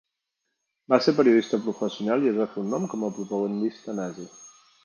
Va ser periodista professional i es va fer un nom com a propagandista nazi.